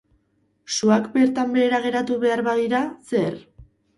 Suak bertan behera geratu behar badira, zer?